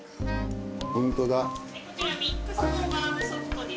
こちらミックスのバウムソフトですね。